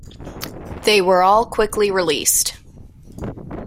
They were all quickly released.